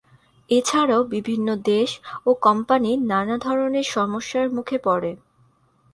এ ছাড়াও বিভিন্ন দেশ ও কোম্পানি নানা ধরনের সমস্যার মুখে পরে।